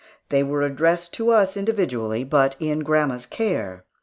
They were addressed to us individually, but in grandma's care.